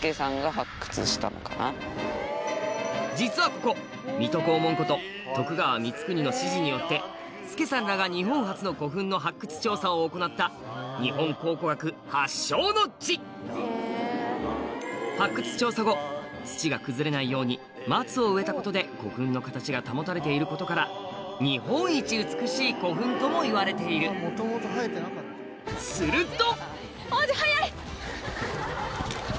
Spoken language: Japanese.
実はここ水戸黄門こと徳川光圀の指示によって助さんらが日本初の古墳の発掘調査を行った日本考古学発祥の地発掘調査後土が崩れないように松を植えたことで古墳の形が保たれていることからともいわれているすると！